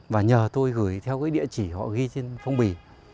và nhờ tôi gửi theo cái địa chỉ họ ghi trên phong bì